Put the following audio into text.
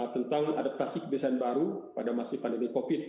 tentang adaptasi kebiasaan baru pada masa pandemi covid sembilan